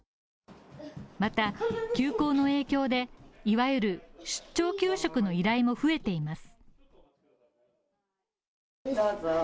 また休校の影響で、いわゆる出張給食の依頼も増えています。